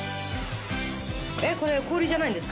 これ、氷じゃないんですか？